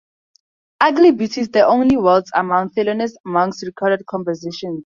"Ugly Beauty" is the only waltz among Thelonious Monk's recorded compositions.